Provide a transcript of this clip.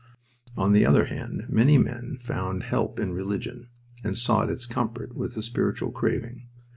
On the other hand, many men found help in religion, and sought its comfort with a spiritual craving.